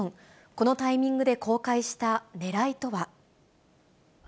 このタイミングで公開したねらいとは。